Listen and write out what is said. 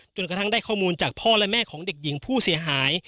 กระทั่งได้ข้อมูลจากพ่อและแม่ของเด็กหญิงผู้เสียหาย